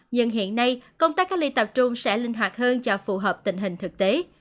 nhưng hiện nay công tác cách ly tập trung sẽ linh hoạt hơn cho phù hợp tình hình thực tế